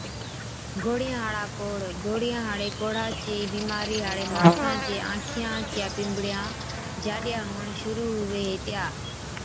گوڙهِيان هاڙا ڪوڙه، گوڙهِيان هاڙي ڪوڙها چِي بِيمارِي هاڙي ماڻسا چي آنکِيان چِيا پنبڙِيا جاڏِيا هُوَڻ شرُوع هُوي هِتِيا۔